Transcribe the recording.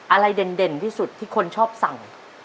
อะไรเด่นที่สุดที่คนชอบสั่ง